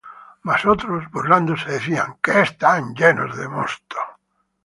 Mas otros burlándose, decían: Que están llenos de mosto.